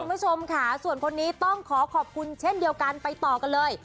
คุณผู้ชมค่ะส่วนคนนี้ต้องขอขอบคุณเช่นเดียวกันไปต่อกันเลย